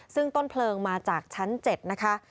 ซึ่งต้นเพลิงมาจากชั้น๗นะคะ